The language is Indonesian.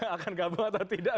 akan gabung atau tidak